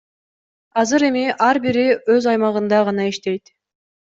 Азыр эми ар бири өз аймагында гана иштейт.